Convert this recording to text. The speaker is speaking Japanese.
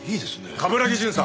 冠城巡査。